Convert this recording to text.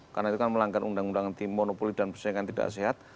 karena itu kan melanggar undang undang tim monopoli dan persaingan tidak sehat